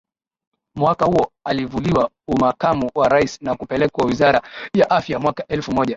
Mwaka huo alivuliwa Umakamu wa Rais na kupelekwa Wizara ya AfyaMwaka elfu moja